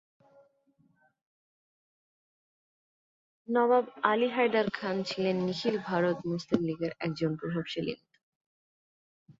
নবাব আলী হায়দার খান ছিলেন নিখিল ভারত মুসলিম লীগের একজন প্রভাবশালী নেতা।